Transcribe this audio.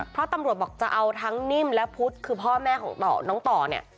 เพราะตำรวจบอกจะเอาทั้งนิ่มและพุทธคือพ่อแม่ของน้องต่อเนี่ย